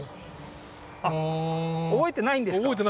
あっ覚えてないんですか？